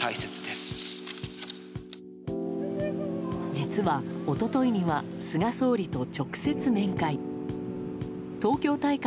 実は、一昨日には菅総理と直接面会。